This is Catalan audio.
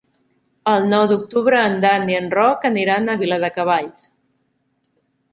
El nou d'octubre en Dan i en Roc aniran a Viladecavalls.